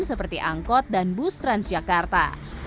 seperti angkot dan bus transjakarta